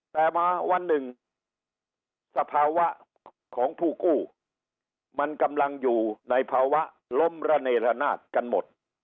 แต่มาวันหนึ่งสภาวะของผู้กู้มันกำลังอยู่ในภาวะล้มระเนรนาศกันหมด